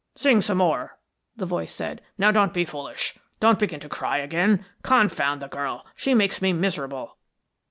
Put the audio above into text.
"Sing some more," the voice said. "Now don't be foolish, don't begin to cry again. Confound the girl, she makes me miserable."